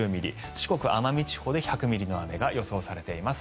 四国・奄美地方で１００ミリの雨が予想されています。